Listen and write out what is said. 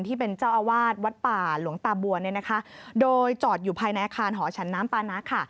ที่เป็นเจ้าอาวาสวัดป่าหลวงตาบัวเนี่ยนะคะโดยจอดอยู่ภายในอาคารหอฉันน้ำปานะค่ะ